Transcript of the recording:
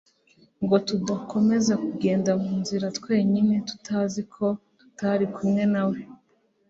ngo tudakomeza kugenda mu nzira twenyine, tutazi ko tutari kumwe na we.